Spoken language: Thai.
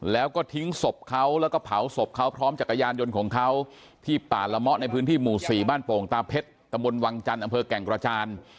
แล้วก็ทิ้งศพเขาแล้วก็เผาศพเขาพร้อมจักรยานยนต์ของเขาที่ป่าละเมาะในพื้นที่หมู่๔บ้านโป่งตาเพชรตะมนต์วังจันทร์อำเภอแก่งกระจาน